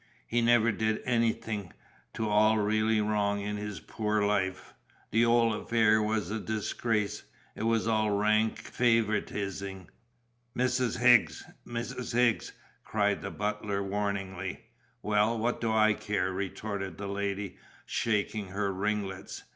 "He never did anythink to all really wrong in his poor life. The 'ole affair was a disgrace. It was all rank favouritising." "Mrs. 'Iggs! Mrs. 'Iggs!" cried the butler warningly. "Well, what do I care?" retorted the lady, shaking her ringlets.